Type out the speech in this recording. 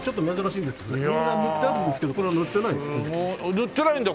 塗ってないんだ！